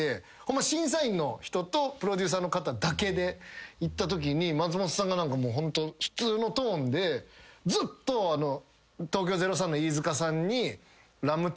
審査員の人とプロデューサーの方だけで行ったときに松本さんがホント普通のトーンでずっと東京０３の飯塚さんに。